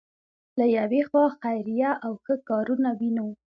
له یوې خوا خیریه او ښه کارونه وینو.